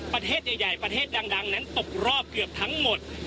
ประเทศใหญ่ประเทศดังนั้นตกรอบเกือบทั้งหมด